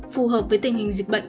phù hợp với tình hình dịch bệnh